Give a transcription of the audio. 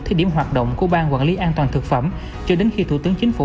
thiết điểm hoạt động của ban quản lý an toàn thực phẩm cho đến khi thủ tướng chính phủ